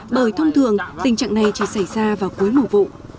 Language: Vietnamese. bởi thông thường tình trạng này chỉ xảy ra vào cuối mùa vụ